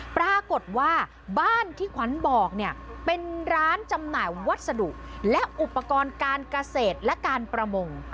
ปรากฏว่าบ้านที่ขวัญบอกเนี่ยเป็นร้านจำหน่ายวัสดุและอุปกรณ์การเกษตรและการประมง